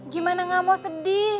gimana ga mau sedih